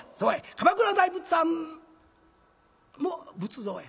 「鎌倉の大仏さんも仏像や」。